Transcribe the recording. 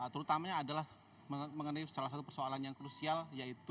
terutama adalah mengenai salah satu persoalan yang krusial yaitu